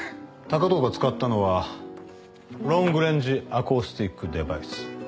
高藤が使ったのはロングレンジアコースティックデバイス。